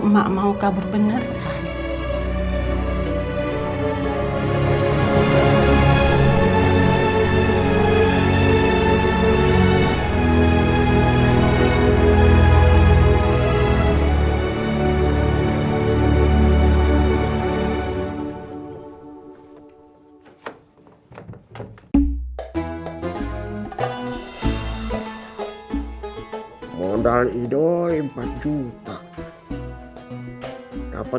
mak mau kabur beneran